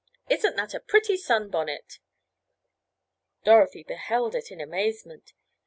"Isn't that a pretty sunbonnet?" Dorothy beheld it in amazement.